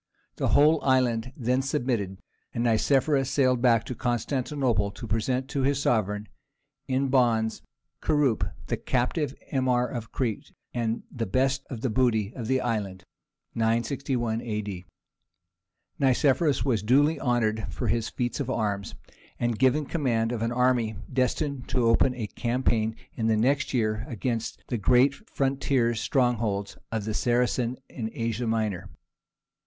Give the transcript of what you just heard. The whole island then submitted, and Nicephorus sailed back to Constantinople to present to his sovereign, in bonds, Kurup the captive Emir of Crete, and all the best of the booty of the island [961 A.D.]. Nicephorus was duly honoured for his feat of arms, and given command of an army destined to open a campaign in the next year against the great frontier strongholds of the Saracens in Asia Minor.